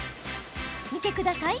見てください。